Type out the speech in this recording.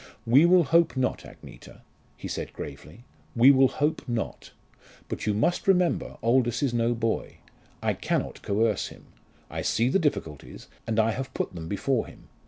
"We will hope not, Agneta," he said gravely. "We will hope not. But you must remember Aldous is no boy. I cannot coerce him. I see the difficulties, and I have put them before him.